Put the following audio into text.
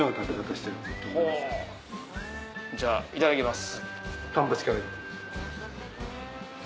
じゃあいただきます。